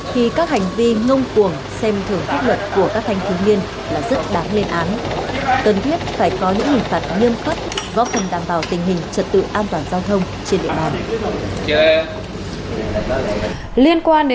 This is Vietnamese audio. khi các hành vi ngông cuồng xem thường pháp luật